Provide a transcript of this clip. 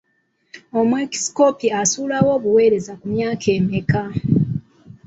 Omwepiskoopi asuulawo obuweereza ku myaka emeka?